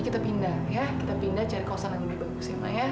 kita pindah ya kita pindah cari kawasan yang lebih bagus ya pak ya